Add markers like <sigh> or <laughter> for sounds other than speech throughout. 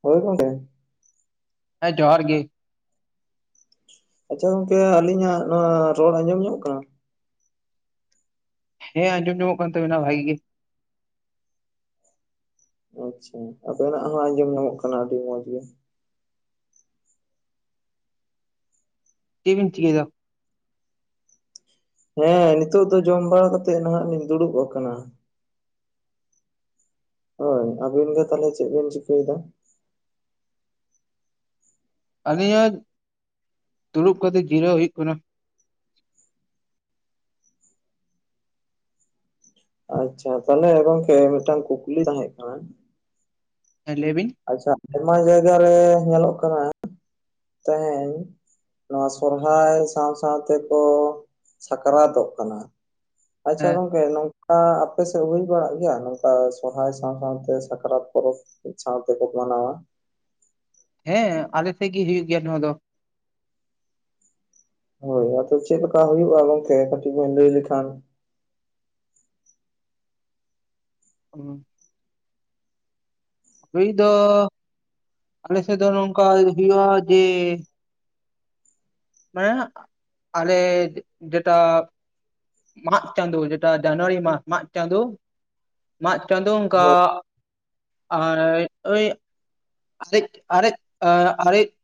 ᱦᱳᱭ <inaudible> ᱦᱮᱸ ᱡᱚᱦᱟᱨ ᱜᱮ᱾ ᱟᱪᱪᱷᱟ ᱜᱚᱝᱠᱮ ᱟᱹᱞᱤᱧᱟᱜ ᱱᱚᱣᱟ ᱨᱚᱲ ᱟᱸᱡᱚᱢ ᱧᱚᱜ ᱠᱟᱱᱟ? ᱦᱮᱸ ᱟᱸᱡᱚᱢ ᱧᱟᱢᱚᱜ ᱠᱟᱱ ᱛᱟᱵᱤᱱᱟ ᱵᱷᱟᱹᱜᱤ ᱜᱮ᱾ ᱟᱪᱪᱷᱟ ᱟᱵᱮᱱᱟᱜ ᱦᱚᱸ ᱟᱸᱡᱚᱢ ᱧᱟᱢᱚᱜ ᱠᱟᱱᱟ ᱟᱹᱰᱤ ᱢᱚᱸᱡᱽ ᱜᱮ᱾ ᱪᱮᱜ‌ ᱵᱤᱱ ᱪᱤᱠᱟᱹᱭᱫᱟ? ᱦᱮᱸ ᱱᱤᱛᱚᱜ ᱫᱚ ᱡᱚᱢ ᱵᱟᱲᱟ ᱠᱟᱛᱮᱜ ᱱᱷᱟᱜ ᱞᱤᱧ ᱫᱩᱲᱩᱵ ᱟᱠᱟᱱᱟ᱾ ᱦᱳᱭ ᱟᱹᱵᱤᱱ ᱜᱮ ᱛᱟᱦᱚᱞᱮ ᱪᱮᱫ ᱵᱤᱱ ᱪᱤᱠᱟᱹᱭᱫᱟ? ᱟᱹᱞᱤᱧᱟᱜ ᱫᱩᱲᱩᱵ ᱠᱟᱛᱮᱜ ᱡᱤᱨᱟᱹᱣ ᱦᱩᱭᱩᱜ ᱠᱟᱱᱟ, ᱟᱪᱪᱷᱟ ᱛᱟᱦᱚᱞᱮ ᱜᱚᱝᱠᱮ ᱢᱤᱫᱴᱟᱝ ᱠᱩᱠᱞᱤ ᱛᱟᱦᱮᱸᱜ ᱠᱟᱱᱟ, ᱦᱮᱸ ᱞᱟᱹᱭ ᱵᱤᱱ? ᱟᱪᱪᱷᱟ ᱟᱭᱢᱟ ᱡᱟᱭᱜᱟ ᱨᱮ ᱧᱮᱞᱚᱜ ᱠᱟᱱᱟ ᱛᱮᱦᱮᱧ ᱱᱚᱣᱟ ᱥᱚᱨᱦᱟᱭ ᱥᱟᱸᱶ ᱥᱟᱸᱶᱛᱮ ᱠᱚ ᱥᱟᱠᱨᱟᱛᱚᱜ ᱠᱟᱱᱟ᱾ ᱟᱪᱪᱷᱟ ᱦᱮᱸ ᱜᱚᱝᱠᱮ ᱱᱚᱜ ᱠᱟ ᱟᱯᱮᱥᱮᱫ ᱦᱩᱭ ᱵᱟᱲᱟᱜ ᱜᱮᱭᱟ ᱱᱚᱝᱠᱟ ᱥᱚᱨᱦᱟᱭ ᱥᱟᱶ ᱥᱟᱶᱛᱮ ᱥᱟᱠᱨᱟᱛ ᱯᱚᱨᱚᱵᱽ ᱥᱟᱶ ᱛᱮᱠᱚ ᱢᱟᱱᱟᱣᱟ ᱾ ᱦᱮᱸ ᱟᱞᱮ ᱥᱮᱫ ᱜᱮ ᱦᱩᱭᱩᱜ ᱜᱮᱭᱟ ᱱᱚᱣᱟ ᱫᱚ ᱾ ᱦᱳᱭ ᱟᱫᱚ ᱪᱮᱫ ᱞᱮᱠᱟ ᱦᱩᱭᱩᱜ-ᱟ ᱜᱚᱝᱠᱮ ᱠᱟᱹᱴᱤᱡ ᱵᱮᱱ ᱞᱟᱹᱭ ᱞᱮᱠᱷᱟᱱ ᱦᱩᱸ ᱾ ᱦᱩᱭ ᱫᱚ ᱟᱞᱮ ᱥᱮᱫ ᱫᱚ ᱱᱚᱝᱠᱟ ᱦᱩᱭᱩᱜ-ᱟ ᱡᱮ ᱦᱮᱸ ᱟᱞᱮ ᱡᱮᱴᱟ ᱢᱟᱜᱽ ᱪᱟᱸᱫᱳ ᱡᱮᱴᱟ ᱡᱟᱱᱩᱣᱟᱨᱤ ᱢᱟᱥ ᱢᱟᱜᱽ ᱪᱟᱸᱫᱳ ᱢᱟᱜ ᱪᱟᱸᱫᱳ ᱚᱱᱠᱟ ᱦᱳᱭ <inaudible> ᱟᱨ ᱳᱭ <unintelligible>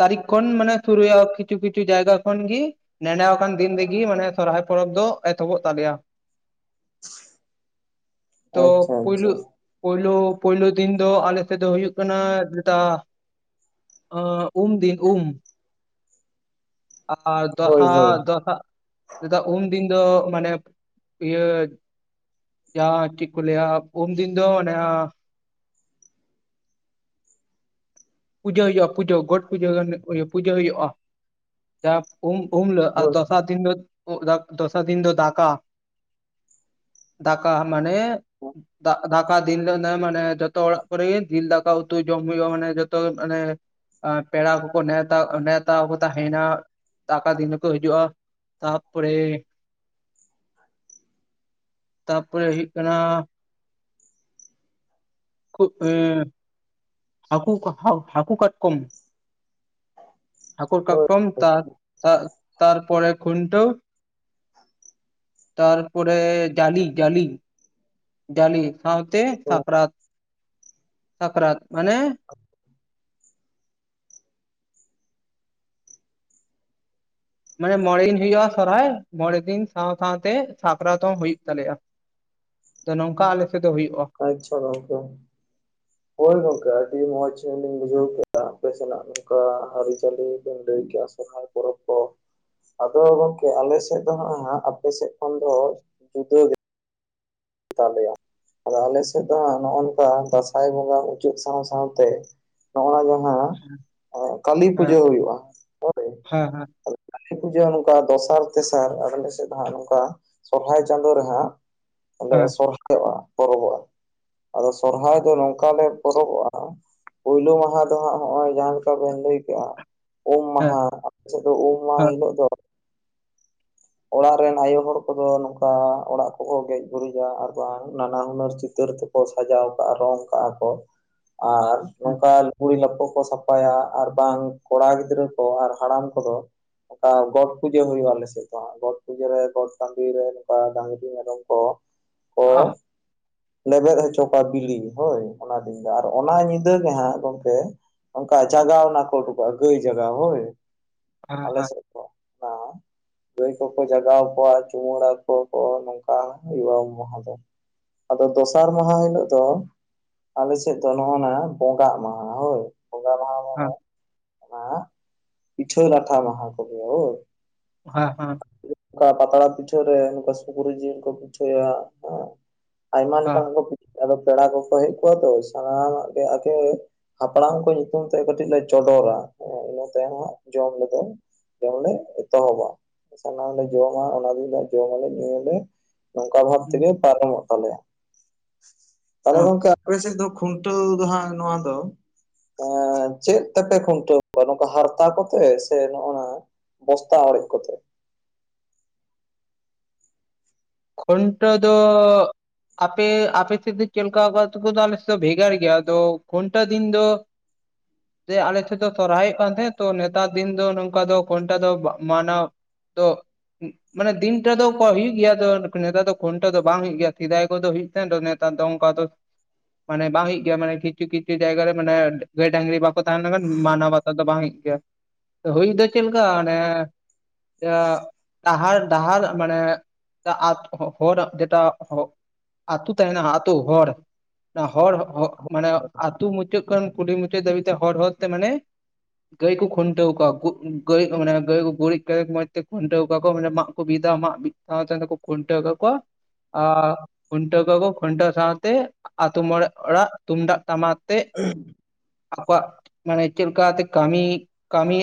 ᱛᱟᱨᱤᱠᱷ ᱠᱷᱚᱱ ᱢᱟᱱᱮ ᱥᱩᱨᱩᱭᱟ ᱠᱤᱪᱷᱩ ᱠᱤᱪᱷᱩ ᱡᱟᱭᱜᱟ ᱠᱷᱚᱱ ᱜᱤ ᱱᱮᱰᱟ ᱟᱠᱟᱱ ᱫᱤᱱ ᱨᱮᱜᱮ ᱢᱟᱱᱮ ᱥᱚᱨᱦᱟᱭ ᱯᱚᱨᱚᱵᱽ ᱫᱚ ᱮᱛᱚᱦᱚᱵᱚᱜ ᱛᱟᱞᱮᱭᱟ ᱾ <inaudible> ᱛᱚ ᱯᱩᱭᱞᱩ ᱟᱪᱪᱷᱟ ᱯᱩᱭᱞᱩ ᱯᱩᱭᱞᱩ ᱫᱤᱱ ᱫᱚ ᱟᱞᱮᱥᱮᱫ ᱫᱚ ᱦᱩᱭᱩᱜ ᱠᱟᱱᱟ ᱡᱮᱴᱟ <inaudible> ᱩᱢ ᱫᱤᱱ ᱩᱢ ᱟᱨ ᱦᱳᱭ ᱦᱳᱭ ᱫᱚᱥᱟᱨ <unintelligible> <unintelligible> ᱩᱢ ᱫᱤᱱ ᱫᱚ ᱢᱟᱱᱮ ᱤᱭᱟᱹ ᱡᱟᱦᱟᱸ ᱴᱤᱠ ᱠᱚ ᱞᱟᱭᱟ ᱩᱢ ᱫᱤᱱ ᱫᱚ ᱚᱱᱮ ᱯᱩᱡᱟᱹ ᱦᱩᱭᱩᱜ-ᱟ ᱯᱩᱡᱟᱹ ᱜᱚᱴ ᱯᱩᱡᱟᱹ ᱜᱟᱱ ᱯᱩᱡᱟᱹ ᱦᱩᱭᱩᱜ-ᱟ ᱾ ᱡᱟᱦᱟᱸ ᱩᱢ ᱩᱢ ᱦᱩᱞᱚᱜ ᱟᱨ ᱦᱳᱭ ᱫᱚᱥᱟᱨ ᱫᱤᱱ ᱫᱚ ᱫᱚᱥᱟᱨ ᱫᱤᱱ ᱫᱚ ᱫᱟᱠᱟ ᱾ <inaudible> ᱫᱟᱠᱟ ᱢᱟᱱᱮ ᱫᱟᱠᱟ ᱫᱤᱱ ᱫᱚ ᱢᱟᱱᱮ ᱡᱚᱛᱚ ᱚᱲᱟᱜ ᱠᱚᱨᱮ ᱡᱤᱞ ᱫᱷᱟᱠᱟ ᱩᱛᱩ ᱡᱚᱢ ᱦᱩᱭᱩᱜ-ᱟ ᱢᱟᱱᱮ ᱡᱚ ᱛᱚ ᱢᱟᱱᱮ ᱯᱮᱲᱟ ᱠᱚᱠᱚ ᱱᱮᱶᱛᱟ ᱱᱮᱶᱛᱟ ᱠᱚ ᱛᱟᱦᱮᱱᱟ ᱾ ᱫᱟᱠᱟ ᱫᱤᱱ ᱦᱚᱸ ᱠᱚ ᱦᱤᱡᱩᱜ-ᱟ ᱛᱟᱯᱚᱨᱮ ᱛᱟᱯᱚᱨᱮ ᱦᱩᱭᱩᱜ ᱠᱟᱱᱟ <unintelligible> ᱦᱟᱹᱠᱩ ᱦᱟᱹᱠᱩ ᱠᱟᱴᱠᱚᱢ ᱦᱟᱠᱳ ᱦᱳᱭ ᱠᱟᱴᱠᱚᱢ ᱛᱟ-ᱛᱟ-ᱛᱟᱨᱯᱚᱨᱮ ᱠᱷᱩᱱᱴᱟᱹᱣ ᱾ ᱛᱟᱨᱯᱚᱨᱮ ᱡᱟᱹᱞᱤ ᱡᱟᱹᱞᱤ ᱡᱟᱹᱞᱤ ᱥᱟᱶᱛᱮ ᱦᱳᱭ ᱥᱟᱠᱨᱟᱛ, <inaudible> ᱥᱟᱠᱨᱟᱛ ᱢᱟᱱᱮ ᱢᱟᱱᱮ ᱢᱚᱬᱮᱸ ᱫᱤᱱ ᱦᱩᱭᱩᱜ-ᱟ ᱥᱚᱨᱦᱟᱭ ᱢᱚᱬᱮ ᱫᱤᱱ ᱥᱟᱶ ᱥᱟᱶᱛᱮ ᱥᱟᱠᱨᱟᱛ ᱦᱚᱸ ᱦᱩᱭᱩᱜ ᱛᱟᱞᱮᱭᱟ ᱾ ᱟᱫᱚ ᱱᱚᱝᱠᱟ ᱟᱞᱮ ᱥᱮᱫ ᱫᱚ ᱦᱩᱭᱩᱜ-ᱟ ᱾ ᱟᱪᱪᱷᱟ ᱜᱚᱝᱠᱮ ᱾ ᱦᱳᱭ ᱜᱚᱝᱠᱮ ᱟᱹᱰᱤ ᱢᱚᱸᱡᱽ ᱞᱤᱧ ᱵᱩᱡᱷᱟᱹᱣ ᱠᱮᱜ-ᱟ ᱟᱯᱮ ᱥᱮᱱᱟᱜ ᱱᱚᱝᱠᱟ ᱟᱹᱨᱤᱪᱟᱹᱞᱤ ᱵᱤᱱ ᱞᱟᱹᱭ ᱠᱮᱜ-ᱟ ᱥᱚᱨᱦᱟᱭ ᱯᱚᱨᱚᱵᱽ ᱠᱚ ᱾ ᱟᱫᱚ ᱜᱚᱝᱠᱮ ᱟᱞᱮ ᱥᱮᱫ ᱫᱚ ᱦᱟᱸᱜ ᱟᱯᱮ ᱥᱮᱜ ᱠᱷᱚᱱ ᱫᱚ ᱡᱩᱫᱟᱹ ᱜᱮ ᱛᱟᱞᱮᱭᱟ ᱾ ᱟᱫᱚ ᱟᱞᱮᱥᱮᱫ ᱫᱚ ᱦᱟᱸᱜ ᱱᱚᱜ-ᱱᱚᱝᱠᱟ ᱫᱟᱸᱥᱟᱭ ᱵᱚᱸᱜᱟ ᱢᱩᱪᱟᱹᱫ ᱥᱟᱶ ᱥᱟᱶᱛᱮ ᱱᱚᱜ-ᱚᱱᱟ ᱡᱟᱦᱟᱸ ᱠᱟᱹᱞᱤ ᱦᱮᱸ ᱯᱩᱡᱟᱹ ᱦᱩᱭᱩᱜ-ᱟ ᱦᱳᱭ ᱦᱮᱸ ᱦᱮᱸ ᱾ ᱠᱟᱞᱤ ᱯᱩᱡᱟᱹ ᱱᱚᱝᱠᱟ ᱫᱚᱥᱟᱨ ᱛᱮᱥᱟᱨ ᱟᱞᱮ ᱥᱮᱫ ᱫᱚ ᱦᱟᱸᱜ ᱱᱚᱝᱠᱟ ᱥᱚᱨᱦᱟᱭ ᱪᱟᱸᱫᱳ ᱨᱮ ᱦᱟᱸᱜ ᱟᱞᱮ ᱦᱮᱸ ᱥᱚᱨᱦᱟᱭᱚᱜ-ᱟ ᱯᱚᱨᱚᱵᱚᱜ-ᱟ᱾ ᱟᱫᱚ ᱥᱚᱨᱦᱟᱭ ᱫᱚ ᱱᱚᱝᱠᱟ ᱞᱮ ᱯᱚᱨᱚᱵᱚᱜ-ᱟ ᱯᱩᱭᱞᱳ ᱢᱟᱦᱟᱸ ᱫᱚ ᱦᱟᱸᱜ ᱦᱚᱜ-ᱚᱭ ᱡᱟᱦᱟᱸ ᱞᱮᱠᱟ ᱵᱮᱱ ᱞᱟᱹᱭ ᱠᱮᱜ-ᱟ ᱩᱢ ᱦᱮᱸ ᱢᱟᱦᱟᱸ ᱟᱯᱮ ᱥᱮᱜ ᱫᱚ ᱩᱢ ᱢᱟᱦᱟᱸ ᱦᱮᱸ ᱦᱤᱞᱳᱜ ᱫᱚ ᱚᱲᱟᱜ ᱨᱮᱱ ᱟᱭᱳ ᱦᱚᱲ ᱠᱚᱫᱚ ᱱᱚᱝᱠᱟ ᱚᱲᱟᱜ ᱠᱚᱠᱚ ᱜᱮᱡ ᱜᱩᱨᱤᱡᱽᱟ ᱟᱨ ᱵᱟᱝ ᱱᱟᱱᱟ ᱦᱩᱱᱟᱹᱨ ᱪᱤᱛᱟᱹᱨ ᱛᱮ ᱠᱚ ᱥᱟᱡᱟᱣ ᱠᱟᱜ-ᱟ ᱨᱚᱝ ᱠᱟᱜ-ᱟ ᱠᱚ <inaudible> ᱟᱨ ᱦᱮᱸ ᱱᱚᱝᱠᱟ ᱞᱩᱜᱽᱲᱤ ᱞᱟᱯᱚ ᱠᱚ ᱥᱟᱯ ᱯᱟᱭᱟ ᱟᱨ ᱵᱟᱝ ᱠᱚᱲᱟ ᱜᱤᱫᱽᱨᱟᱹ ᱠᱚ ᱟᱨ ᱦᱟᱲᱟᱢ ᱠᱚᱫᱚ ᱚᱠᱟ ᱜᱚᱴ ᱯᱩᱡᱟᱹ ᱦᱩᱭᱩᱜ-ᱟ ᱟᱞᱮ ᱥᱮᱜ, ᱡᱟᱦᱟᱸ ᱜᱚᱴ ᱯᱩᱡᱟᱹ ᱨᱮ ᱜᱚᱴ ᱴᱟᱹᱰᱤ ᱨᱮ ᱱᱚᱝᱠᱟ ᱰᱟᱹᱝᱨᱤ ᱢᱮᱨᱚᱢ ᱠᱚ ᱠᱚ <inaudible> ᱞᱮᱵᱮᱫ ᱦᱚᱪᱚ ᱠᱚᱣᱟ ᱵᱤᱞᱤ ᱦᱳᱭ ᱚᱱᱟ ᱫᱤᱱ ᱫᱚ ᱟᱨ ᱚᱱᱟ ᱧᱤᱫᱟᱹ ᱜᱮ ᱦᱟᱸᱜ ᱜᱚᱝᱠᱮ ᱚᱝᱠᱟ ᱡᱟᱜᱟᱣ ᱱᱟᱜ ᱠᱚ ᱩᱰᱩᱜ-ᱟ ᱜᱟᱹᱭ ᱡᱟᱜᱟᱣ ᱦᱳᱭ᱾ ᱦᱮᱸ ᱟᱞᱮ ᱦᱮᱸ ᱥᱮᱫ ᱫᱚ ᱚᱱᱟ ᱜᱟᱹᱭ ᱠᱚᱠᱚ ᱡᱟᱜᱟᱣ ᱠᱚᱣᱟ ᱪᱩᱢᱟᱹᱲᱟ ᱠᱚ ᱠᱚ ᱱᱚᱝᱠᱟ ᱦᱩᱭᱩᱜ-ᱟ ᱩᱢ ᱢᱟᱦᱟᱸ ᱫᱚ᱾ ᱟᱫᱚ ᱫᱚᱥᱟᱨ ᱢᱟᱦᱟ ᱦᱤᱞᱳᱜ ᱫᱚ ᱟᱞᱮ ᱥᱮᱫ ᱫᱚ ᱱᱚᱜ-ᱚᱱᱟ ᱵᱚᱸᱜᱟᱜ ᱢᱟᱦᱟ ᱦᱳᱭ, ᱵᱚᱸᱜᱟ ᱢᱟᱦᱟ ᱦᱚᱸ ᱟᱸ ᱯᱤᱴᱷᱟᱹ ᱞᱟᱴᱷᱟ ᱢᱟᱦᱟ ᱠᱚ ᱞᱮᱭᱟ ᱦᱳᱭ᱾ ᱦᱮᱸ ᱦᱮᱸ <unintelligible> ᱠᱟ ᱯᱟᱛᱲᱟ ᱯᱤᱴᱷᱟᱹ ᱨᱮ ᱱᱚᱝᱠᱟ ᱥᱩᱠᱨᱤ ᱡᱤᱞ ᱠᱚ ᱯᱤᱴᱷᱟᱹᱭᱟ ᱦᱮᱸ᱾ ᱟᱭᱢᱟ ᱞᱮᱠᱟᱱ ᱦᱮᱸ <unintelligible> ᱟᱫᱚ ᱯᱮᱲᱟ ᱠᱚᱠᱚ ᱦᱮᱡ ᱠᱚᱜᱟ ᱛᱚ ᱥᱟᱱᱟᱢᱟᱜ ᱜᱮ <inaudible> ᱦᱟᱯᱲᱟᱢ ᱠᱚ ᱧᱩᱛᱩᱢ ᱛᱮ ᱠᱟᱹᱴᱤᱡ ᱞᱮ ᱪᱚᱰᱚᱨᱟ ᱤᱱᱟᱹ ᱛᱟᱭᱚᱢ ᱦᱟᱸᱜ ᱡᱚᱢ ᱞᱮᱠᱟ ᱡᱚᱢ ᱞᱮ ᱮᱛᱚᱦᱚᱵᱟ᱾ ᱥᱟᱱᱟᱢ ᱞᱮ ᱡᱚᱢᱟ ᱚᱱᱟ ᱫᱤᱱ ᱫᱚ ᱦᱟᱸᱜ ᱡᱚᱢᱟᱞᱮ ᱧᱩᱭᱟᱞᱮ ᱱᱚᱝᱠᱟ ᱵᱷᱟᱵ ᱦᱮᱸ ᱛᱮᱜᱮ ᱯᱟᱨᱚᱢᱚᱜ ᱛᱟᱞᱮᱭᱟ᱾ ᱛᱟᱦᱞᱮ ᱦᱮᱸ ᱜᱚᱝᱠᱮ ᱟᱯᱮ ᱥᱮᱫ ᱫᱚ ᱠᱷᱩᱱᱴᱟᱹᱣ ᱫᱚ ᱦᱟᱸᱜ ᱱᱚᱣᱟ ᱫᱚ ᱮᱸ ᱪᱮᱜ ᱛᱮᱯᱮ ᱠᱷᱩᱱᱴᱟᱹᱣ ᱠᱚᱣᱟ ᱱᱚᱠᱟ ᱦᱟᱨᱛᱟ ᱠᱚᱛᱮ ᱥᱮ ᱱᱚᱜ-ᱱᱟ ᱵᱚᱥᱛᱟ ᱚᱲᱮᱡ ᱠᱚᱛᱮ? ᱠᱷᱩᱱᱴᱟᱹᱣ ᱫᱚ ᱟᱯᱮ ᱟᱯᱮ ᱥᱮᱫ ᱫᱚ ᱪᱮᱞᱠᱟ ᱚᱠᱟ ᱟᱹᱛᱩ ᱠᱚᱫᱚ ᱟᱞᱮ ᱥᱮᱜ ᱫᱚ ᱵᱷᱮᱜᱟᱨ ᱜᱮᱭᱟ ᱟᱫᱚ ᱠᱷᱩᱱᱴᱟᱹᱣ ᱫᱤᱱ ᱫᱚ <unintelligible> ᱡᱮ ᱟᱞᱮ ᱴᱷᱮᱡ ᱫᱚ ᱥᱚᱨᱦᱟᱭᱚᱜ ᱠᱟᱱ ᱛᱟᱦᱮᱸᱫ ᱛᱚ ᱱᱮᱛᱟᱨ ᱫᱤᱱ ᱫᱚ ᱱᱚᱝᱠᱟ ᱫᱚ ᱠᱷᱩᱱᱴᱟᱹᱣ ᱫᱚ ᱵᱟᱜ ᱢᱟᱱᱟᱣ ᱛᱚ ᱢᱟᱱᱮ ᱫᱤᱱ ᱴᱟ ᱫᱚ ᱠᱚ ᱦᱩᱭᱩᱜ ᱜᱮᱭᱟ ᱟᱫᱚ ᱱᱮᱛᱟᱨ ᱫᱚ ᱠᱷᱩᱱᱴᱟᱹᱣ ᱫᱚ ᱵᱟᱝ ᱦᱩᱭᱩᱜ ᱜᱮᱭᱟ ᱥᱮᱫᱟᱭ ᱠᱚᱫᱚ ᱦᱩᱭᱩᱜ ᱛᱟᱦᱮᱱ ᱛᱚ ᱱᱮᱛᱟᱨ ᱫᱚ ᱚᱱᱠᱟ ᱫᱚ ᱢᱟᱱᱮ ᱵᱟᱝ ᱦᱩᱭᱩᱜ ᱜᱮᱭᱟ ᱢᱟᱱᱮ ᱠᱤᱪᱷᱩ ᱠᱤᱪᱷᱩ ᱡᱟᱭᱜᱟ ᱨᱮ ᱢᱟᱱᱮ ᱜᱟᱹᱭ ᱰᱟᱹᱝᱨᱤ ᱵᱟᱠᱚ ᱛᱟᱦᱮᱸ ᱞᱮᱱᱠᱷᱟᱱ ᱢᱟᱱᱟᱣ ᱵᱟ ᱛᱟᱣ ᱫᱚ ᱵᱟᱝ ᱦᱩᱭᱩᱜ ᱜᱮᱭᱟ ᱦᱩᱭ ᱫᱚ ᱪᱮᱫ ᱞᱮᱠᱟ ᱚᱱᱮ ᱰᱟᱦᱟᱨ ᱰᱟᱦᱟᱨ ᱢᱟᱱᱮ ᱟᱛ ᱦᱚ ᱦᱚᱲ ᱡᱮᱴᱟ ᱦᱚᱜ ᱟᱛᱳ ᱛᱮᱦᱮᱱᱟ ᱟᱛᱳ ᱦᱚᱨ ᱦᱚᱨ ᱦᱚ ᱢᱟᱱᱮ ᱟᱛᱳ ᱢᱩᱪᱟᱹᱫ ᱠᱷᱚᱱ ᱠᱩᱞᱦᱤ ᱢᱩᱪᱟᱹᱫ ᱫᱷᱟᱹᱵᱤᱡ ᱛᱮ ᱦᱚᱨ ᱦᱚᱨᱛᱮ ᱢᱟᱱᱮ ᱜᱟᱹᱭ ᱠᱩ ᱠᱷᱩᱱᱴᱟᱹᱣ ᱠᱚᱣᱟ ᱜᱟᱹᱭ ᱠᱚ ᱢᱟᱱᱮ ᱜᱟᱹᱭ ᱠᱚ ᱜᱩᱨᱤᱡ ᱢᱚᱸᱡᱽ ᱛᱮ ᱠᱷᱩᱱᱴᱟᱹᱣ ᱠᱚᱣᱟ ᱠᱚ ᱢᱟᱱᱮ ᱢᱟᱜᱼ- ᱠᱚ ᱵᱤᱫᱟ ᱢᱟᱜ ᱵᱤᱫ <inaudible> ᱠᱷᱩᱱᱴᱟᱹᱣ ᱠᱟᱠᱚᱣᱟ᱾ ᱟ ᱠᱷᱩᱱᱴᱟᱹᱣ ᱠᱚᱣᱟ ᱠᱚ ᱠᱷᱩᱱᱴᱟᱹᱣ ᱥᱟᱶᱛᱮ ᱟᱛᱳ ᱢᱚᱬᱮ ᱚᱲᱟᱜ ᱛᱩᱢᱫᱟᱜ ᱴᱟᱢᱟᱠ ᱛᱮ <unintelligible> ᱟᱠᱚᱣᱟᱜ ᱢᱟᱱᱮ ᱪᱮᱫ ᱞᱮᱠᱟ ᱟᱛᱮ ᱠᱟᱹᱢᱤ ᱠᱟᱹᱢᱤ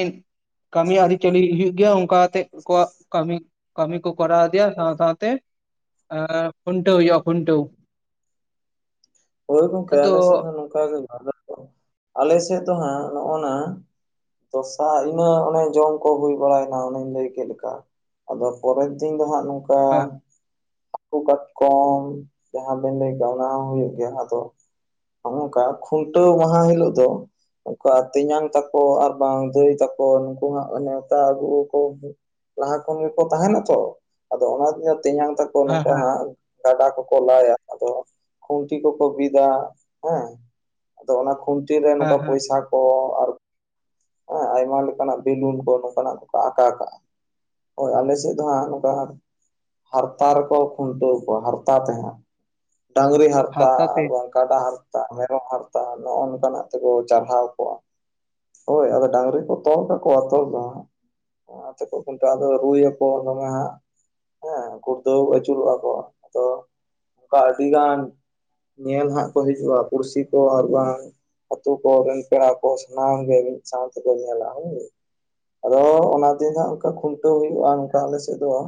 ᱠᱟᱹᱢᱤ ᱟᱹᱨᱤᱪᱟᱹᱞᱤ ᱦᱳᱭᱳᱜ ᱜᱮᱭᱟ ᱚᱱᱠᱟ ᱟᱛᱮᱜ ᱠᱚ ᱠᱟᱹᱢᱤ ᱠᱟᱹᱢᱤ ᱠᱚ ᱠᱚᱨᱟᱣ ᱤᱫᱤᱭᱟ ᱥᱟᱶ ᱥᱟᱶ ᱛᱮ ᱮᱸᱻ ᱠᱷᱩᱱᱴᱟᱹᱣ ᱦᱩᱭᱩᱜ-ᱟ ᱠᱷᱩᱱᱴᱟᱹᱣ᱾ ᱦᱳᱭ ᱜᱚᱝᱠᱮ ᱟᱫᱚ ᱟᱞᱮ ᱥᱮᱫ ᱫᱚ ᱱᱚᱝᱠᱟ ᱜᱮ ᱦᱩᱭᱩᱜ-ᱟ <unintelligible> ᱟᱞᱮ ᱥᱮᱫ ᱫᱚ ᱦᱟᱸᱜ ᱱᱚᱜ-ᱚ ᱱᱟ ᱥᱚᱥᱟ ᱤᱱᱟᱹ ᱚᱱᱮ ᱡᱚᱢ ᱠᱚ ᱦᱩᱭ ᱵᱟᱲᱟᱭ ᱱᱟ ᱚᱱᱮᱧ ᱞᱟᱹᱭ ᱪᱮᱫ ᱞᱮᱠᱟ᱾ ᱟᱫᱚ ᱯᱚᱨᱮ ᱫᱤᱱ ᱫᱚ ᱦᱟᱸᱜ <inaudible> ᱚᱱᱠᱟ ᱦᱮᱸ ᱦᱟᱹᱠᱩ ᱠᱟᱴᱠᱚᱢ, ᱡᱟᱦᱟᱸ ᱵᱮᱱ ᱞᱟᱹᱭ ᱠᱮᱜ-ᱟ ᱚᱱᱟ ᱦᱚᱸ ᱦᱩᱭᱩᱜ ᱜᱮᱭᱟ᱾ ᱛᱚ ᱦᱚᱜ-ᱚᱝᱠᱟ ᱠᱷᱩᱱᱴᱟᱹᱣ ᱢᱟᱦᱟ ᱦᱤᱞᱳᱜ ᱫᱚ ᱚᱠᱟ ᱛᱮᱧᱟᱝ ᱛᱟᱠᱚ ᱟᱨ ᱵᱟᱝ ᱫᱟᱹᱭ ᱛᱟᱠᱚ ᱱᱩᱠᱩ ᱦᱟᱸᱜ ᱱᱮᱣᱛᱟ ᱟᱹᱜᱩ ᱟᱠᱚ ᱡᱟᱦᱟᱸ ᱠᱷᱚᱱ ᱜᱮᱠᱚ ᱛᱟᱦᱮᱱᱟ ᱛᱚ, ᱟᱫᱚ ᱚᱱᱟᱛᱮ ᱛᱮᱧᱟᱝ ᱛᱟᱠ ᱠᱚ ᱦᱮᱸ ᱱᱚᱝᱠᱟ ᱦᱮᱸ ᱦᱟᱸᱜ, ᱜᱟᱰᱟ ᱠᱚᱠᱚ ᱞᱟᱭᱟ ᱾ ᱟᱫᱚ ᱠᱷᱩᱱᱴᱤ ᱠᱚ ᱠᱚ ᱵᱤᱫᱟ ᱦᱮᱸ, ᱟᱫᱚ ᱚᱱᱟ ᱠᱷᱩᱱᱴᱤ ᱨᱮ ᱦᱮᱸ ᱱᱚᱝᱠᱟ ᱦᱮᱸ ᱯᱚᱭᱥᱟ ᱠᱚ ᱟᱨ ᱦᱮᱸ, ᱟᱭᱢᱟ ᱞᱮᱠᱟᱱᱟᱜ ᱵᱮᱞᱩᱱ ᱠᱚ ᱱᱚᱝᱠᱟᱱᱟᱜ ᱠᱚᱠᱚ ᱟᱠᱟ ᱠᱟᱜᱼᱟ ᱾ ᱦᱳᱭ, ᱟᱞᱮ ᱥᱮᱫ ᱫᱚ ᱦᱟᱸᱜ ᱱᱚᱝᱠᱟ ᱦᱟᱸᱜ ᱦᱟᱨᱛᱟ ᱨᱮᱠᱚ ᱠᱷᱩᱱᱴᱟᱹᱣ ᱠᱚᱣᱟ ᱦᱟᱨᱛᱟ ᱛᱮᱦᱟᱸᱜ, ᱰᱟᱸᱝᱨᱤ ᱦᱟᱨ ᱦᱟᱨᱛᱟ ᱛᱮ ᱾ ᱠᱟᱰᱟ ᱦᱟᱨᱛᱟ, ᱢᱮᱨᱚᱢ ᱦᱟᱨᱛᱟ, ᱱᱚᱜᱼᱚ ᱱᱚᱝᱠᱟᱱᱟᱜ ᱛᱮᱠᱚ ᱪᱟᱨᱦᱟᱣ ᱠᱚᱣᱟ ᱾ ᱦᱳᱭ, ᱟᱫᱚ ᱰᱟᱝᱨᱤ ᱠᱚ ᱛᱚᱞ ᱠᱟᱠᱚᱣᱟ ᱛᱚᱞ ᱫᱚ ᱦᱟᱸᱜ ᱾ <unintelligible> ᱚᱱᱟ ᱟᱛᱮ ᱠᱚ ᱠᱷᱩᱱᱴᱟᱹᱜᱼᱟ, ᱟᱫᱚ ᱨᱩᱭ ᱟᱠᱚ ᱫᱚᱢᱮ ᱦᱟᱸᱜ ᱾ ᱦᱮᱸ, ᱜᱩᱲᱫᱟᱹᱣ ᱟᱹᱪᱩᱨᱚᱜᱼᱟ ᱠᱚ ᱟᱫᱚ ᱚᱱᱠᱟ ᱟᱹᱰᱤ ᱜᱟᱱ ᱧᱮᱞ ᱦᱟᱸᱜ ᱠᱚ ᱦᱤᱡᱩᱜᱼᱟ ᱯᱩᱲᱥᱤ ᱠᱚ ᱟᱨ ᱵᱟᱝ ᱟᱹᱛᱩ ᱠᱚ ᱨᱮᱱ ᱯᱮᱲᱟ ᱠᱚ ᱥᱟᱱᱟᱢ ᱜᱮ ᱢᱤᱫ ᱥᱟᱶ ᱛᱮᱠᱚ ᱧᱮᱞᱟ ᱦᱳᱭ ᱾ ᱟᱫᱚ ᱚᱱᱟ ᱫᱤᱱ ᱫᱚ ᱦᱟᱸᱜ ᱚᱱᱠᱟ ᱠᱷᱩᱱᱴᱟᱹᱣ ᱦᱩᱭᱩᱜᱼᱟ ᱱᱚᱝᱠᱟ ᱟᱞᱮ ᱥᱮᱫ ᱫᱚ ᱾ ᱮᱸᱻ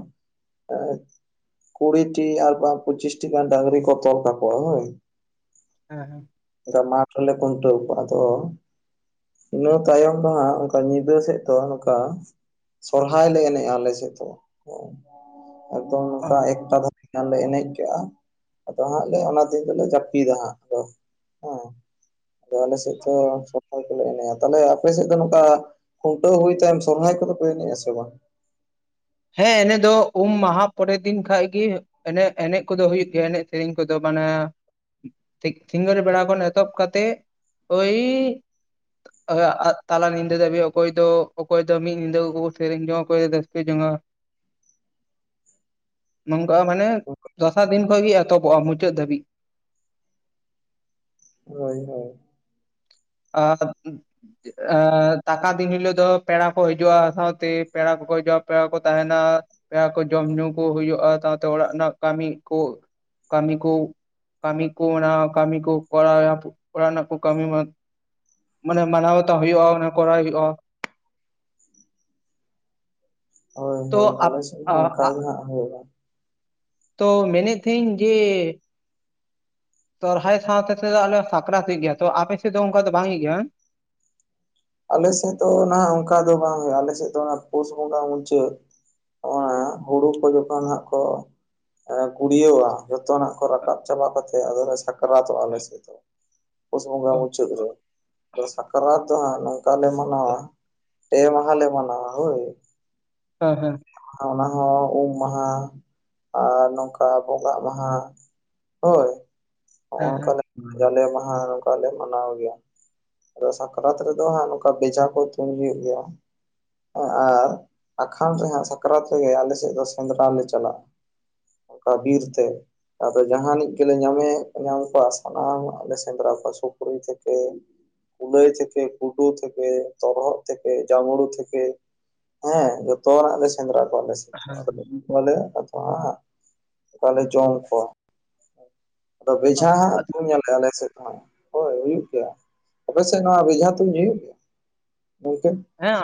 ᱼᱼ ᱠᱩᱲᱤᱴᱤ, ᱟᱨ ᱵᱟᱝ ᱯᱚᱸᱪᱤᱥᱴᱤ ᱜᱟᱱ ᱰᱟᱸᱝᱨᱤ ᱠᱚ ᱛᱚᱞ ᱠᱟᱠᱚᱣᱟ ᱦᱳᱭ ᱾ ᱦᱮᱸ ᱦᱮᱸ ᱾ ᱚᱱᱠᱟ ᱢᱟᱴᱷ ᱨᱮᱞᱮ ᱠᱷᱩᱱᱴᱟᱹᱣ ᱠᱚᱣᱟ, ᱟᱫᱚ ᱤᱱᱟᱹ ᱛᱟᱭᱚᱢ ᱫᱚ ᱦᱟᱸᱜ, ᱚᱱᱠᱟ ᱧᱤᱫᱟᱹ ᱥᱮᱫ ᱫᱚ ᱱᱚᱠᱟ ᱥᱚᱨᱦᱟᱭ ᱞᱮ ᱮᱱᱮᱡᱼᱟ ᱟᱞᱮ ᱥᱮᱫ ᱫᱚ ᱦᱮᱸ ᱾ ᱮᱠᱫᱚᱢ ᱚ ᱱᱚᱝᱠᱟ ᱮᱠᱴᱟ ᱫᱷᱟᱵᱤᱡ ᱱᱟᱜ ᱞᱮ ᱮᱱᱮᱡ ᱠᱟᱜ-ᱟ, ᱟᱫᱚ ᱦᱟᱸᱜ ᱼᱼ <unintelligible> ᱚᱱᱟ ᱫᱤᱱ ᱫᱚᱞᱮ ᱡᱟᱹᱯᱤᱫᱟ ᱦᱟᱸᱜ ᱟᱫᱚ ᱦᱮᱸ ᱾ ᱟᱫᱚ ᱟᱞᱮ ᱥᱮᱫ ᱫᱚ <unintelligible> ᱠᱚᱞᱮ ᱮᱱᱮᱡᱼᱟ ᱾ ᱛᱟᱦᱟᱞᱮ ᱟᱯᱮ ᱥᱮᱫ ᱫᱚ ᱱᱚᱝᱠᱟ ᱠᱷᱩᱱᱴᱟᱹᱣ ᱦᱩᱭ ᱛᱟᱭᱚᱢ ᱥᱚᱨᱦᱟᱭ ᱠᱚᱫᱚ ᱯᱮ ᱮᱱᱮᱡ-ᱟ ᱥᱮ ᱵᱟᱝ? ᱦᱮᱸ, ᱮᱱᱮᱡ ᱫᱚ ᱩᱢ ᱢᱟᱦᱟ ᱯᱚᱨᱮ ᱫᱤᱱ ᱠᱷᱟᱡ ᱜᱮ ᱾ ᱮᱱᱮᱡ ᱮᱱᱮᱡ ᱠᱚᱫᱚ ᱦᱩᱭᱩᱜ ᱜᱮᱭᱟ ᱮᱱᱮᱡ ᱥᱮᱨᱮᱧ ᱠᱚᱫᱚ, ᱢᱟᱱᱮ ᱴᱷᱤᱠ ᱥᱤᱸᱜᱟᱹᱲ ᱵᱮᱲᱟ ᱠᱷᱚᱱ ᱮᱛᱚᱦᱚᱵ ᱠᱟᱛᱮᱫ ᱳᱭᱻ <unintelligible> ᱛᱟᱞᱟ ᱧᱤᱫᱟᱹ ᱫᱷᱟᱵᱤᱡ ᱚᱠᱚᱭ ᱫᱚ, ᱚᱠᱚᱭ ᱫᱚ ᱢᱤᱫ ᱧᱤᱫᱟᱹ ᱠᱚ ᱥᱮᱨᱮᱧ ᱡᱚᱝᱟ ᱠᱚ ᱨᱟᱹᱥᱠᱟᱹ ᱡᱚᱝᱟ ᱾ ᱱᱚᱝᱠᱟ ᱢᱟᱱᱮ ᱫᱚᱥᱟᱨ ᱫᱤᱱ ᱠᱷᱚᱡ ᱜᱮ ᱮᱛᱚᱦᱚᱵᱚᱜᱼᱟ ᱢᱩᱪᱟᱹᱫ ᱫᱷᱟᱹᱵᱤᱡ ᱾ ᱦᱳᱭ ᱦᱳᱭ ᱾ ᱟᱨ ᱮᱸ ᱫᱟᱠᱟ ᱫᱤᱱ ᱦᱤᱞᱳᱜ ᱫᱚ ᱯᱮᱲᱟ ᱠᱚ ᱦᱤᱡᱩᱜᱼᱟ, ᱥᱟᱶᱛᱮ ᱯᱮᱲᱟ ᱠᱚᱠᱚ ᱦᱤᱡᱩᱜᱼᱟ ᱯᱮᱲᱟ ᱠᱚ ᱛᱟᱦᱮᱱᱟ ᱾ ᱯᱮᱲᱟ ᱠᱚ ᱡᱚᱢ ᱧᱩ ᱠᱚ ᱦᱩᱭᱩᱜᱼᱟ ᱥᱟᱶᱛᱮ ᱚᱲᱟᱜ ᱨᱮᱱᱟᱜ ᱠᱟᱹᱢᱤ ᱠᱚ ᱠᱟᱹᱢᱤ ᱠᱚ, ᱠᱟᱹᱢᱤ ᱠᱚ ᱚᱱᱟ ᱠᱟᱹᱢᱤ ᱠᱚ ᱠᱚᱨᱟᱣᱭᱟ ᱚᱲᱟᱜ ᱨᱮᱱᱟᱜ ᱠᱚ ᱠᱟᱹᱢᱤ ᱢᱟ ᱢᱟᱱᱮ ᱢᱟᱱᱟᱣ ᱵᱟᱛᱟᱣ ᱦᱩᱭᱩᱜᱼᱟ, ᱚᱱᱟ ᱠᱚᱨᱟᱣ ᱦᱩᱭᱩᱜᱼᱟ ᱾ ᱦᱳᱭ ᱛᱚ ᱦᱳᱭ, ᱟᱞᱮ ᱥᱮᱫ ᱦᱚᱸ ᱚᱱᱠᱟ ᱜᱮ ᱦᱟᱸᱜ ᱦᱩᱭᱩᱜᱼᱟ ᱾ ᱛᱚ ᱢᱮᱱᱮᱜ ᱛᱟᱹᱦᱮᱜ ᱤᱧ ᱡᱮ ᱥᱚᱦᱨᱟᱭ ᱥᱟᱶᱛᱮ ᱛᱮᱫᱚ ᱟᱞᱮ ᱥᱟᱠᱨᱟᱛ ᱦᱩᱭᱩᱜ ᱜᱮᱭᱟ, ᱛᱚ ᱟᱯᱮ ᱥᱮᱫ ᱫᱚ ᱚᱱᱠᱟ ᱫᱚ ᱵᱟᱝ ᱦᱩᱭᱩᱜ ᱜᱮᱭᱟ ᱦᱟᱜ? ᱟᱞᱮ ᱥᱮᱫ ᱫᱚ ᱱᱟᱦᱜ ᱚᱱᱠᱟ ᱫᱚ ᱵᱟᱝ ᱦᱩᱭᱩᱜᱼᱟ, ᱟᱞᱮ ᱥᱮᱫ ᱫᱚ ᱚᱱᱟ ᱯᱳᱥ ᱵᱚᱸᱜᱟ ᱢᱩᱪᱟᱹᱫ ᱾ ᱦᱮᱸ ᱦᱩᱲᱩ ᱠᱚ ᱡᱚᱠᱷᱚᱱ ᱦᱟᱸᱜ ᱠᱚ ᱜᱩᱲᱭᱟᱹᱣᱟ ᱡᱚᱛᱚᱱᱟᱜ ᱠᱚ ᱨᱟᱠᱟᱵ ᱪᱟᱵᱟ ᱠᱟᱛᱮᱜ ᱟᱫᱚ ᱞᱮ ᱥᱟᱠᱨᱟᱛᱚᱜᱼᱟ ᱟᱞᱮ ᱥᱮᱫ ᱫᱚ ᱾ ᱯᱩᱥ ᱵᱚᱸᱜᱟ ᱚ ᱢᱩᱪᱟᱹᱫ ᱨᱮ ᱟᱫᱚ ᱥᱟᱠᱨᱟᱛ ᱫᱚ ᱦᱟᱸᱜ ᱱᱚᱝᱠᱟ ᱞᱮ ᱢᱟᱱᱟᱣᱟ ᱾ ᱯᱮ ᱢᱟᱦᱟ ᱞᱮ ᱢᱟᱱᱟᱣᱟ ᱦᱳᱭ ᱾ ᱦᱮᱸ ᱦᱮᱸ ᱾ ᱚᱱᱟ ᱦᱚᱸ ᱩᱢ ᱢᱟᱦᱟ ᱟᱨ ᱱᱚᱝᱠᱟ ᱵᱚᱸᱜᱟ ᱢᱟᱦᱟ, ᱦᱳᱭ ᱦᱮᱸ ᱦᱚᱸᱜ-ᱚᱝᱠᱟ ᱞᱮ ᱦᱮᱸ ᱡᱟᱞᱮ ᱢᱟᱦᱟ ᱱᱚᱝᱠᱟ ᱞᱮ ᱢᱟᱱᱟᱣ ᱜᱮᱭᱟ ᱾ ᱟᱫᱚ ᱥᱟᱠᱨᱟᱛ ᱨᱮᱫᱚ ᱦᱟᱸᱜ ᱠᱚ ᱵᱮᱡᱷᱟ ᱠᱚ ᱛᱩᱧ ᱦᱩᱭᱩᱜ ᱜᱮᱭᱟ᱾ ᱟᱨ ᱟᱠᱷᱟᱱ ᱨᱮᱦᱟᱜ ᱥᱟᱠᱨᱟᱛ ᱨᱮᱜᱮ ᱟᱞᱮᱥᱮᱫ ᱫᱚ ᱥᱮᱸᱫᱽᱨᱟ ᱞᱮ ᱪᱟᱞᱟᱜᱼᱟ᱾ ᱚᱱᱠᱟ ᱵᱤᱨ ᱛᱮ, ᱟᱫᱚ ᱡᱟᱦᱟᱱᱤᱡ ᱜᱮᱞᱮ ᱧᱟᱢᱮ ᱧᱟᱢ ᱠᱚᱣᱟ ᱥᱟᱱᱟᱢᱜ ᱞᱮ ᱥᱮᱸᱫᱽᱨᱟ ᱠᱚᱭᱟ ᱥᱩᱠᱤ ᱛᱷᱮᱠᱮ ᱠᱩᱞᱟᱹᱭ ᱛᱷᱮᱠᱮ, ᱜᱩᱰᱩ ᱛᱷᱮᱠᱮ, ᱛᱚᱨᱦᱚᱫ ᱛᱷᱮᱠᱮ, ᱡᱟᱢᱲᱩ ᱛᱷᱮᱠᱮ, ᱦᱮᱸ ᱡᱚᱛᱚᱱᱟᱜ ᱞᱮ ᱥᱮᱸᱫᱽᱨᱟ ᱠᱚᱣᱟᱞᱮ ᱥᱮ ᱟᱫᱚ ᱟᱜᱩ ᱠᱟᱭᱟᱞᱮ ᱟᱫ ᱦᱮ ᱚᱱᱠᱟ ᱞᱮ ᱡᱚᱢ ᱠᱚᱣᱟ᱾ ᱟᱫᱚ ᱵᱮᱡᱷᱟ ᱦᱮᱸ ᱛᱩᱧ ᱟᱞᱮ, ᱟᱞᱮ ᱥᱮᱫ ᱫᱚ ᱦᱟᱜ᱾ ᱦᱳᱭ ᱦᱩᱭᱩᱜ ᱜᱮᱭᱟ, ᱟᱯᱮ ᱥᱮᱫ ᱱᱚᱣᱟ ᱵᱮᱡᱷᱟ ᱛᱩᱧ ᱦᱩᱭᱩᱜ ᱜᱮᱭᱟ ᱜᱚᱢᱝᱠᱮ? ᱦᱮᱸ,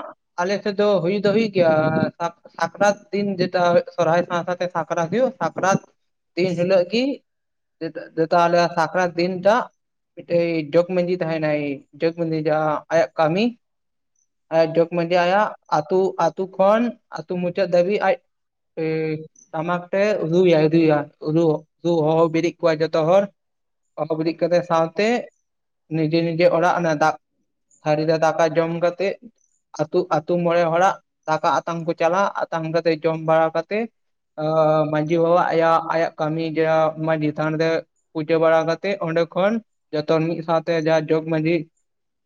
ᱟᱞᱮ ᱥᱮᱫ ᱫᱚ ᱦᱩᱭ ᱫᱚ ᱦᱩᱭ ᱜᱮᱭᱟ ᱥᱟᱵ ᱥᱟᱠᱨᱟᱛ ᱫᱤᱱ ᱡᱮᱴᱟ ᱥᱚᱨᱦᱟᱭ ᱥᱟᱣ ᱥᱟᱣ ᱛᱮ ᱥᱟᱠᱨᱟᱛ ᱦᱩᱭᱩ ᱥᱟᱠᱨᱟᱛ ᱫᱤᱱ ᱦᱤᱞᱳᱜ ᱠᱤ <unintelligible> ᱟᱞᱮᱭᱟᱜ ᱥᱟᱠᱨᱟᱛ ᱫᱤᱱᱴᱟ ᱢᱤᱫᱴᱮᱡ ᱡᱚᱜᱽ ᱢᱟᱹᱡᱷᱤ ᱛᱦᱮᱱᱟᱭ ᱱᱟᱭ ᱡᱚᱜᱽ ᱢᱟᱹᱡᱷᱤ ᱡᱟᱦᱟ ᱟᱭᱟᱜ ᱠᱟᱹᱢᱤ, ᱡᱚᱜᱽ ᱢᱟᱹᱡᱷᱤ ᱟᱭᱟᱜ ᱟᱹᱛᱩ ᱟᱹᱛᱩ ᱠᱷᱚᱱ ᱟᱹᱛᱩ ᱢᱩᱪᱟᱹᱫ ᱫᱷᱟᱵᱤᱪ ᱟᱡ ᱤ ᱴᱟᱢᱟᱠ ᱛᱮ ᱨᱩᱟᱭ ᱨᱩᱭᱟ ᱨᱩ, ᱨᱩ ᱦᱚᱦᱚ ᱵᱤᱨᱮᱫ ᱠᱚᱣᱟᱭ ᱡᱚᱛᱚ ᱦᱚᱲ ᱦᱚᱦᱚ ᱵᱮᱨᱤᱫ ᱠᱟᱛᱮ ᱥᱟᱶᱛᱮ, ᱱᱤᱡᱮ ᱱᱤᱡᱮ ᱚᱲᱟᱜ ᱚᱱᱟ ᱫᱟᱜ ᱛᱷᱟᱹᱨᱤ ᱨᱮ ᱫᱟᱠᱟ ᱡᱚᱢ ᱠᱟᱛᱮ, ᱟᱹᱛᱩ ᱟᱛᱳ ᱢᱲᱮ ᱦᱚᱲᱟᱜ ᱫᱟᱠᱟ ᱟᱛᱟᱝ ᱠᱚ ᱪᱟᱞᱟᱜᱼᱟ, ᱟᱛᱟᱝ ᱠᱟᱛᱮ ᱡᱚᱢ ᱵᱟᱲᱟ ᱠᱟᱛᱮ ᱚᱻ ᱢᱟᱺᱡᱷᱤ ᱵᱟᱵᱟ ᱟᱭᱟᱜ ᱟᱭᱟᱜ ᱠᱟᱹᱢᱤ ᱡᱟ ᱢᱟᱹᱡᱷᱤ ᱛᱷᱟᱱ ᱨᱮ, ᱯᱩᱡᱟᱹ ᱵᱟᱲᱟ ᱠᱟᱛᱮᱫ ᱚᱸᱰᱮ ᱠᱷᱚᱱ ᱡᱚᱛᱚ ᱢᱤᱫ ᱥᱟᱶᱛᱮ ᱡᱟᱦᱟ ᱡᱚᱜᱽ ᱢᱟᱺᱡᱷᱤ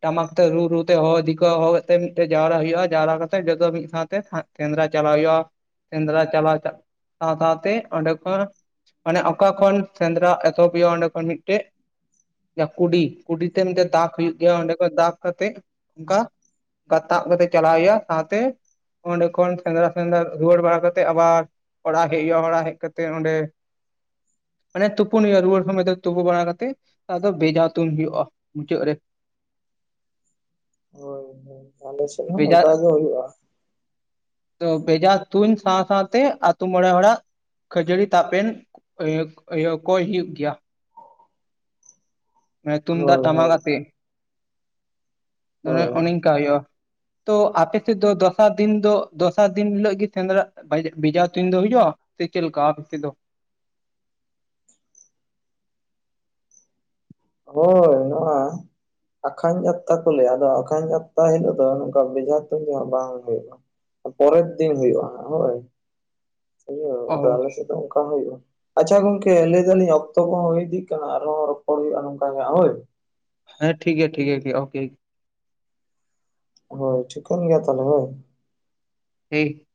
ᱴᱟᱢᱟᱠᱛᱮ ᱨᱩ ᱨᱩ ᱛᱮ ᱦᱚᱦ ᱤᱫᱤ ᱠᱣᱭᱟ ᱦᱚᱦ ᱢᱤᱫᱴᱮᱡ ᱡᱟᱣᱨᱟ ᱦᱩᱭᱩᱜᱼᱟ, ᱡᱟᱣᱨᱟ ᱠᱟᱛᱮᱜ ᱡᱚᱛᱚ ᱢᱤᱫ ᱥᱟᱶᱛᱮ ᱦᱟᱜ ᱥᱮᱸᱫᱽᱨᱟ ᱪᱟᱞᱟᱜ ᱦᱩᱭᱩᱜᱼᱟ᱾ ᱥᱮᱸᱫᱽᱨᱟ ᱪᱟᱞᱟᱣ ᱪᱟ ᱥᱟᱶ ᱥᱟᱶᱛᱮ ᱚᱸᱰᱮ ᱠᱷᱚᱱ ᱢᱟᱱᱮ ᱚᱠᱟ ᱠᱷᱚᱱ ᱥᱮᱸᱫᱽᱨᱟ ᱮᱛᱚᱦᱚᱵ ᱦᱩᱭᱩᱜᱼᱟ, ᱚᱸᱰᱮ ᱠᱷᱚᱱ ᱢᱤᱫᱴᱮᱡ ᱠᱩᱰᱤ ᱠᱩᱰᱤ ᱛᱮ ᱢᱤᱫ ᱫᱟᱜᱽ ᱦᱩᱭᱩᱜ ᱜᱮᱭᱟ, ᱚᱸᱰᱮ ᱠᱷᱚᱱ ᱫᱟᱜ ᱠᱟᱛᱮᱜ ᱚᱱᱠᱟ ᱜᱟᱛᱟᱜ ᱠᱟᱛᱮ ᱪᱟᱞᱟᱣ ᱦᱩᱭᱩᱼᱟ, ᱥᱟᱶᱛᱮ ᱚᱸᱰᱮ ᱠᱷᱚᱱ ᱥᱮᱸᱫᱽᱨᱟ ᱥᱮᱸᱫᱽᱨᱟ, ᱨᱩᱣᱟᱹᱲ ᱵᱟᱲᱟ ᱠᱟᱛᱮ ᱟᱵᱟᱨ ᱚᱲᱟᱜ ᱦᱮᱡ ᱦᱩᱭᱩᱜᱼᱟ, ᱚᱲᱟᱜ ᱦᱮᱡ ᱠᱟᱛᱮᱜ ᱚᱸᱰᱮ ᱢᱟᱱᱮ ᱛᱩᱯᱩᱱ ᱦᱩᱭᱩᱜᱼᱟ, ᱨᱩᱣᱟᱹᱲ ᱥᱚᱢᱚᱭ ᱫᱚ ᱛᱩᱯᱩ ᱵᱟᱲᱟ ᱠᱟᱛᱮᱫ ᱟᱫᱚ ᱵᱷᱮᱡᱟ ᱛᱩᱱ ᱦᱩᱭᱩᱜᱼᱟ ᱢᱩᱪᱟᱹᱫ ᱨᱮ᱾ ᱦᱳᱭ ᱦᱳᱭ, ᱟᱞᱮ ᱥᱮᱫ ᱦᱚᱸ ᱵᱷᱮᱡᱟ ᱚᱱᱠᱟ ᱜᱮ ᱦᱩᱭᱩᱜᱼᱟ᱾ ᱛᱚ ᱵᱷᱮᱡᱟ ᱛᱩᱧ ᱥᱟᱶ ᱥᱟᱶᱛᱮ ᱟᱛᱳ ᱢᱚᱬᱮ ᱦᱚᱲᱟᱜ ᱠᱷᱟᱹᱡᱟᱹᱲᱤ ᱛᱟᱯᱮᱱ ᱤᱭᱟ, ᱤᱭᱟ ᱠᱚᱭ ᱦᱩᱭᱩᱜ ᱜᱮᱭᱟ᱾ ᱢᱮ ᱛᱩᱢᱫᱟᱜ ᱦᱳᱭ ᱴᱟᱢᱟᱠ ᱦᱳᱭ ᱟᱛᱮ, ᱢᱚᱱᱮ ᱦᱳᱭ ᱚᱱᱮ ᱚᱝᱠᱟ ᱦᱳᱭᱳᱼᱟ᱾ ᱛᱚ ᱟᱯᱮ ᱥᱮᱫ ᱫᱚ ᱫᱚᱥᱟᱨ ᱫᱤᱱ ᱫᱚ ᱫᱚᱥᱟᱨ ᱫᱤᱱ ᱦᱤᱞᱳ ᱜᱤ, ᱥᱮᱸᱫᱽᱨᱟ ᱵᱷᱟ ᱵᱷᱮᱡᱟ ᱛᱩᱧ ᱫᱚ ᱦᱩᱭᱩᱜᱼᱟ? ᱥᱮ ᱪᱮᱫ ᱞᱮᱠᱟ ᱟᱯᱮ ᱥᱮᱫ ᱫᱚ? ᱦᱳᱭ, ᱱᱚᱣᱟ ᱟᱠᱷᱟᱱ ᱡᱟᱛᱛᱟ ᱠᱚ ᱞᱟᱹᱭᱟ, ᱟᱫᱚ ᱟᱠᱷᱟᱱ ᱡᱛᱛᱟ ᱦᱤᱞᱳᱜ ᱫᱚ ᱱᱚᱝᱠᱟ ᱵᱮᱡᱷᱟ ᱛᱩᱧ ᱫᱚ ᱦᱟᱜ ᱵᱟᱝ ᱦᱩᱭᱩᱜᱼᱟ᱾ ᱯᱚᱨᱮᱨ ᱫᱤᱱ ᱦᱩᱭᱩᱜᱼᱟ ᱦᱳᱭ, ᱵᱩᱡᱷᱟᱹᱣ ᱚ ᱟᱫᱚ ᱟᱞᱮ ᱥᱮᱫ ᱚᱱᱠᱟ ᱦᱩᱭᱩᱜᱼᱟ, ᱟᱪᱪᱷᱟ ᱜᱚᱝᱠᱮ ᱞᱟᱹᱭ ᱮᱟᱞᱤᱧ ᱚᱠᱛᱚ ᱠᱚᱦᱚᱸ ᱦᱩᱭ ᱤᱫᱤᱜ ᱠᱟᱱᱟ, ᱟᱨᱦᱚᱸ ᱨᱚᱯᱚᱲ ᱦᱩᱭᱩᱜᱼᱟ ᱱᱚᱝᱠᱟ ᱦᱳᱭ, ᱦᱮᱸ ᱴᱷᱤᱠ ᱜᱮᱭᱟ, ᱴᱷᱤᱠ ᱜᱮᱭᱟ ᱠᱤ ᱚᱠᱮ᱾ ᱦᱳᱭ, ᱴᱷᱤᱠᱟᱹᱱ ᱜᱮᱭᱟ ᱛᱟᱦᱚᱞᱮ ᱦᱚᱭ᱾ ᱦᱤ